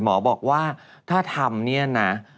หมอบอกว่าถ้าทำเนี่ยนะ